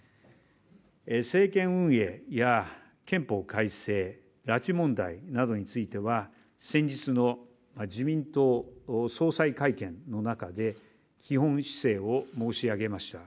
政権運営や憲法改正、拉致問題などについては先日の自民党総裁会見の中で基本姿勢を申し上げました。